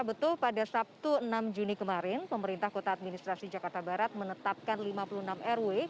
betul pada sabtu enam juni kemarin pemerintah kota administrasi jakarta barat menetapkan lima puluh enam rw